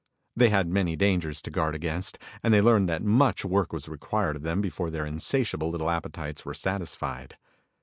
They had many dangers to guard against, and they learned that much work was required of them before their insatiable little appetites were satisfied.